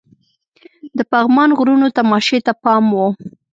د پغمان غرونو تماشې ته پام وو.